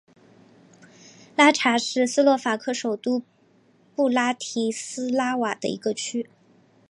拉察是斯洛伐克首都布拉提斯拉瓦的一个区。